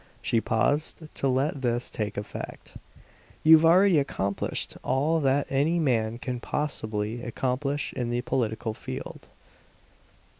She paused to let this take effect. "You've already accomplished all that any man can possible accomplish in the political field.